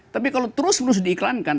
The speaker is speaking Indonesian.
tapi kalau terus menerus diiklankan